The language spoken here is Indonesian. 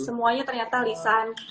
semuanya ternyata lisan